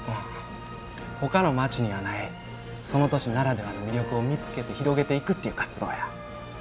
ほかの町にはないその都市ならではの魅力を見つけて広げていくっていう活動や。